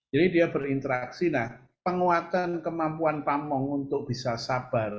jadi dia berinteraksi nah penguatan kemampuan pamong untuk bisa sabar